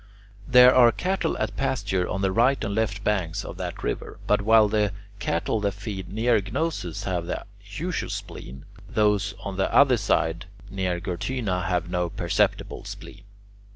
There are cattle at pasture on the right and left banks of that river, but while the cattle that feed near Gnosus have the usual spleen, those on the other side near Gortyna have no perceptible spleen.